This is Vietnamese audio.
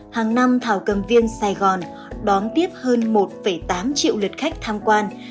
hàng năm thảo cầm viên sài gòn đón tiếp hơn một tám triệu lượt khách tham quan